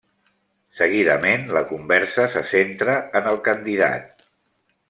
Seguidament, la conversa se centra en el candidat.